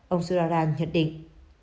ông sudararan nhận định